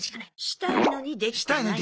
したいのにできてない。